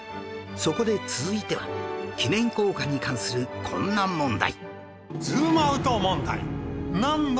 そこで続いては記念硬貨に関するこんな問題